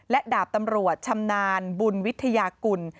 และดาบตำรวจชำนาญบุญวิทยากุล